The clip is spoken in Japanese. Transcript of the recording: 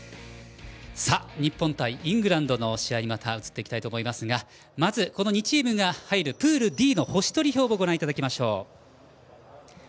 日本対イングランドの試合移っていきたいと思いますがまず、２チームが入るプールＤの星取り表をご覧いただきましょう。